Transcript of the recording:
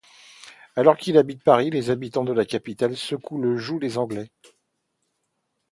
Alors qu'il habite Paris, les habitants de la capitale secouent le joug des anglais.